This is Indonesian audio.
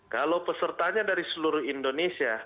kalau pesertanya dari seluruh indonesia